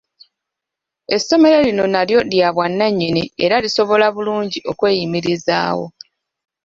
Essomero lino nalyo lya bwannannyini era lisobola bulungi okweyimirizaawo.